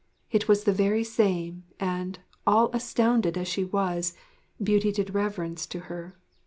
It was the very same; and, all astounded as she was, Beauty did reverence to her.